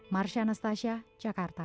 marsha nastasia jakarta